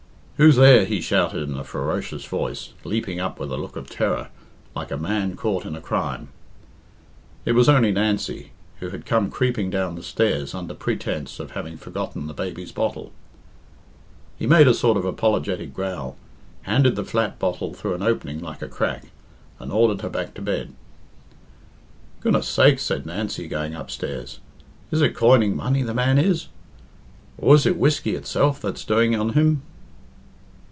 "Who's there?" he shouted in a ferocious voice, leaping up with a look of terror, like a man caught in a crime. It was only Nancy, who had come creeping down the stairs under pretence of having forgotten the baby's bottle. He made a sort of apologetic growl, handed the flat bottle through an opening like a crack, and ordered her back to bed. "Goodness sakes!" said Nancy, going upstairs. "Is it coining money the man is? Or is it whisky itself that's doing on him?"